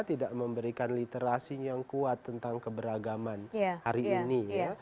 tidak memberikan literasi yang kuat tentang keberagaman hari ini ya